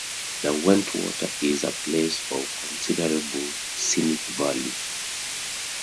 Derwentwater is a place of considerable scenic value.